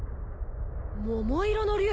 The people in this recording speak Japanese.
桃色の龍！